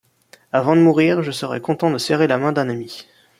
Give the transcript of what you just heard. Avant de mourir, je serais content de serrer la main d’un ami.